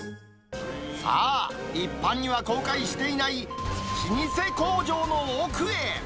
さあ、一般には公開していない、老舗工場の奥へ。